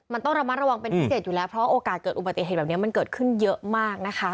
มันต้องระมัดระวังเป็นพิเศษอยู่แล้วเพราะว่าโอกาสเกิดอุบัติเหตุแบบนี้มันเกิดขึ้นเยอะมากนะคะ